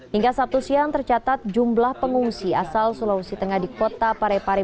hingga sabtu siang tercatat jumlah pengungsi asal sulawesi tengah di kota parepare